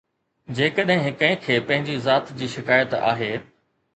جيڪڏهن ڪنهن کي پنهنجي ذات جي شڪايت آهي.